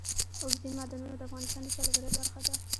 اوبزین معدنونه د افغانستان د سیلګرۍ برخه ده.